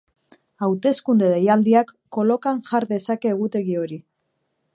Hauteskunde deialdiak kolokan jar dezake egutegi hori.